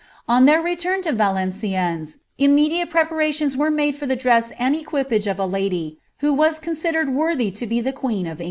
On their return to Valenciennes ate preparations were made for the dress and equipage of a lady, IS considered worthy to be the queen of England."